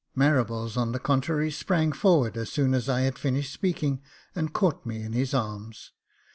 Marables, on the contrary, sprang forward as soon as I had finished speaking, and caught me in his arms.